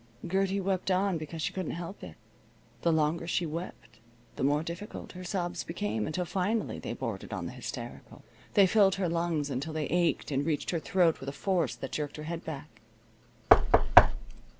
Gertie wept on because she couldn't help it. The longer she wept the more difficult her sobs became, until finally they bordered on the hysterical. They filled her lungs until they ached and reached her throat with a force that jerked her head back.